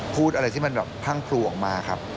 พูดอะไรที่มันแบบพรั่งพลูออกมาครับ